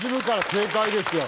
正解ですよ。